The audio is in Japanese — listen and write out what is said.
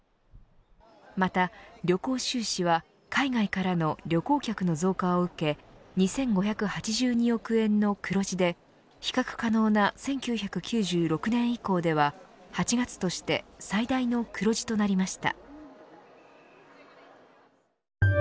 また、旅行収支は海外からの旅行客の増加を受け２５８２億円の黒字で比較可能な１９９６年以降では８月として最大の黒字となりました。